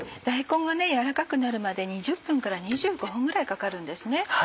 大根が軟らかくなるまで２０分から２５分ぐらいかかるんです。